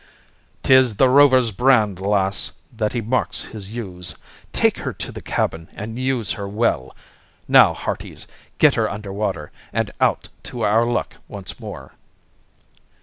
"'Tis the Rover's brand, lass, that he marks his ewes. Take her to the cabin and use her well. Now, hearties, get her under water, and out to our luck once more."